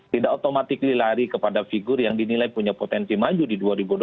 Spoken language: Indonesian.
tidak otomatis dilari kepada figur yang dinilai punya potensi maju di dua ribu dua puluh